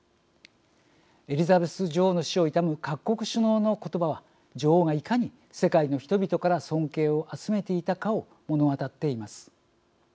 エリザベス女王の死を悼む各国首脳の言葉は女王がいかに、世界の人々から尊敬を集めていたかを物語っています。